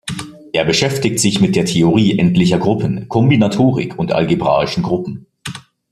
Er beschäftigt sich mit der Theorie endlicher Gruppen, Kombinatorik und algebraischen Gruppen.